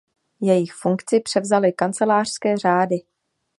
Jejich funkci převzaly kancelářské řády.